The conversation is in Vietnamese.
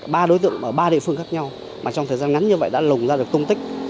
ba đối tượng ở ba địa phương khác nhau mà trong thời gian ngắn như vậy đã lùng ra được tung tích